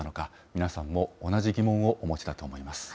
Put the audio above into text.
皆さんも同じ疑問をお持ちだと思います。